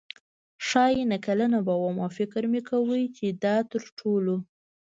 ښايي نهه کلنه به وم او فکر مې کاوه چې دا تر ټولو.